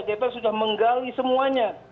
dpr sudah menggali semuanya